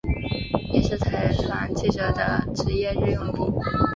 也是采访记者的职业日用品。